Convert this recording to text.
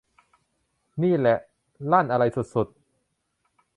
นี่แหละ ลั่นสุดอะไรสุด